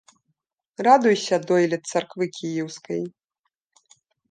Радуйся, дойлід Царквы Кіеўскай